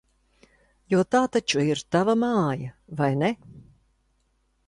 Jo tā taču ir tava māja, vai ne?